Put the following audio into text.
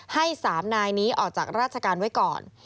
ให้๓นายนี้ออกจากราชการไว้ก่อน